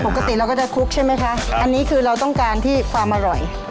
ปกติเราก็จะคลุกใช่ไหมคะอันนี้คือเราต้องการที่ความอร่อย